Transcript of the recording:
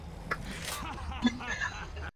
其继室姚倚云是桐城派姚鼐的侄曾孙女。